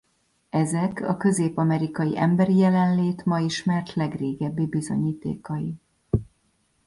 Ezek a közép-amerikai emberi jelenlét ma ismert legrégebbi bizonyítékai.